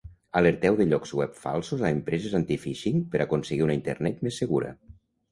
Alerteu de llocs web falsos a empreses anti-phishing per aconseguir una internet més segura.